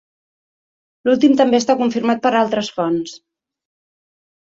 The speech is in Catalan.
L'últim també està confirmat per altres fonts.